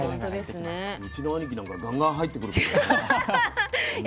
うちの兄貴なんかガンガン入ってくるけどね。